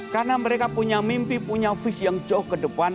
karena mereka punya mimpi punya visi yang jauh ke depan